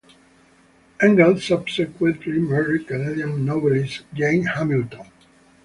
Engel subsequently married Canadian novelist Janet Hamilton.